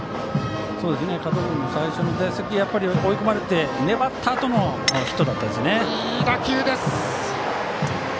加藤君も最初の打席追い込まれて粘ったあとのいい打球です！